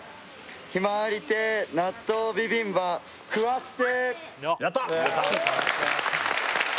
「ひまわり亭納豆ビビンバ食わっせ！」